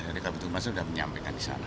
jadi kalau itu masa sudah menyampaikan di sana